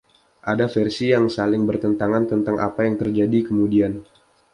Ada versi yang saling bertentangan tentang apa yang terjadi kemudian.